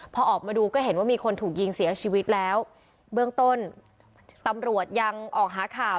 พอออกมาดูก็เห็นว่ามีคนถูกยิงเสียชีวิตแล้วเบื้องต้นตำรวจยังออกหาข่าว